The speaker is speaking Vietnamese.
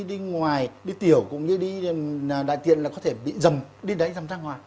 đi ngoài đi tiểu cũng như đi đại tiện là có thể bị dầm đi đấy dằm ra ngoài